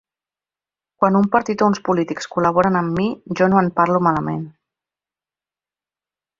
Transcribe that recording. Quan un partit o uns polítics col·laboren amb mi, jo no en parlo malament.